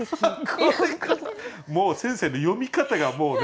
もう先生の読み方がもうね。